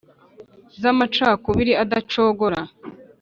z’amacakubiri adacogora